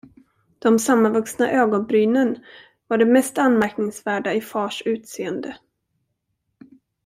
De sammanvuxna ögonbrynen var det mest anmärkningsvärda i fars utseende.